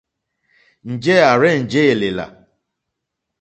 Njɛ̂ à rzênjé èlèlà.